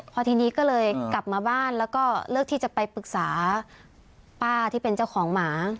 พอทีนี้ก็เลยกลับมาบ้านแล้วก็เลือกที่จะไปปรึกษาป้าที่เป็นเจ้าของหมา